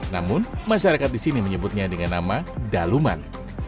namun masyarakat di sini menyebutnya dengan nama daluman